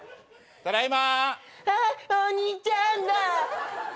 ただいま。